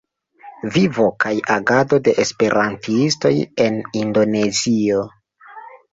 Vivo kaj agado de esperantistoj en Indonezio".